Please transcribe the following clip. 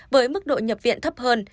với mức độ nhập viện thấp hơn